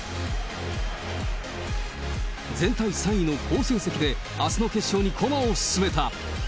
全体３位の好成績で、あすの決勝に駒を進めた。